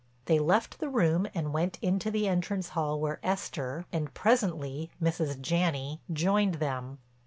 They left the room and went into the entrance hall where Esther, and presently Mrs. Janney, joined them.